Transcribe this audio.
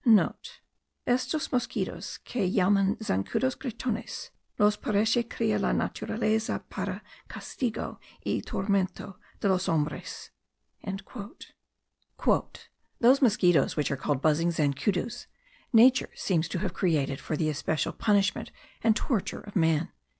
*(* "Estos mosquitos que llaman zancudos gritones los parece cria la naturaleza para castigo y tormento de los hombres." "Those mosquitos which are called buzzing zancudos, Nature seems to have created for the especial punishment and torture of man."